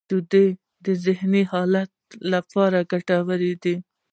• شیدې د ذهنی حالت لپاره ګټورې دي.